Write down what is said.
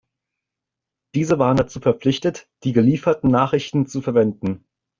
Diese waren dazu verpflichtet, die gelieferten Nachrichten zu verwenden.